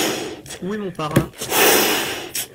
Où est mon parrain ?